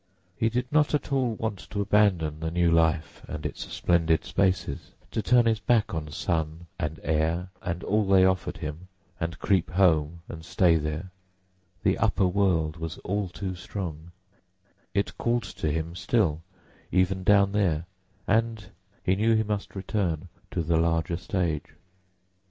He did not at all want to abandon the new life and its splendid spaces, to turn his back on sun and air and all they offered him and creep home and stay there; the upper world was all too strong, it called to him still, even down there, and he knew he must return to the larger stage.